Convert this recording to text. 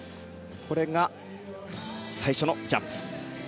これが最初のジャンプ。